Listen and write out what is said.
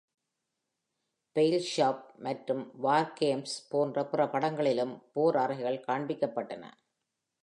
"Fail Safe" மற்றும் "War Games" போன்ற பிற படங்களிலும் போர் அறைகள் காண்பிக்கப்பட்டன.